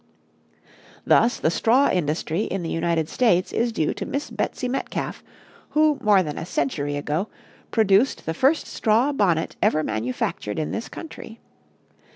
Thus the straw industry in the United States is due to Miss Betsy Metcalf, who, more than a century ago, produced the first straw bonnet ever manufactured in this country.